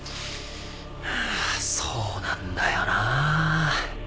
そうなんだよな。